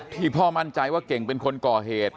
พ่อมั่นใจว่าเก่งเป็นคนก่อเหตุ